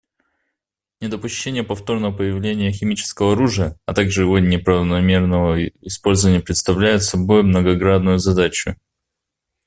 Недопущение повторного появления химического оружия, а также его неправомерного использования представляет собой многогранную задачу.